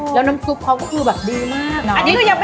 แล้วน้ำซุปเขาก็คือแบบดีมากนะ